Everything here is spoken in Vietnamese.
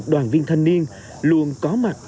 đoàn viên thanh niên luôn có mặt